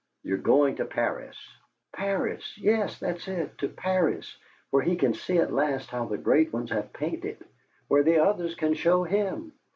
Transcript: You're going to Paris!" "Paris! Yes, that's it. To Paris, where he can see at last how the great ones have painted, where the others can show him!